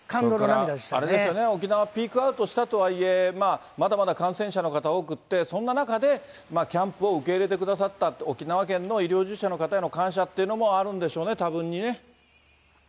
それからあれですよね、沖縄、ピークアウトしたとはいえ、まだまだ感染者の方多くって、そんな中で、キャンプを受け入れてくださった沖縄県の医療従事者の方への感謝というのもあるんでしょうね、多分にね。